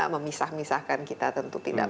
memisah misahkan kita tentu tidak